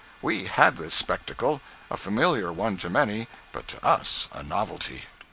We had this spectacle; a familiar one to many, but to us a novelty. 101.